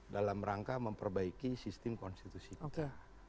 dalam rangka memperbaiki sistem konstitusi kita